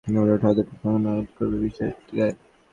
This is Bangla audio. নড়ে ওঠা হাতুড়িটা তখন আঘাত করবে বিষপাত্রের গায়ে।